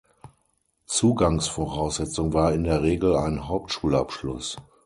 Zugangsvoraussetzung war in der Regel ein Hauptschulabschluss.